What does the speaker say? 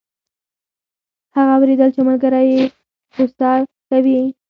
هغه واوریدل چې ملګری یې په غوسه خبرې کوي